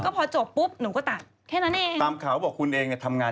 ก็พอจบปุ๊บหนูก็ตัดแค่นั้นเอง